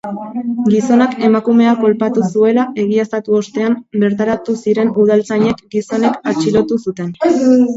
Gizonak emakumea kolpatu zuela egiaztatu ostean, bertaratu ziren udaltzainek gizona atxilotu zuten.